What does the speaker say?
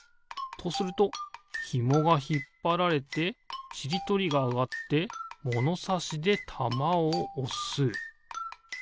とするとひもがひっぱられてちりとりがあがってものさしでたまをおす。